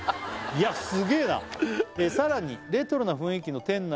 いやすげえな「さらにレトロな雰囲気の店内の」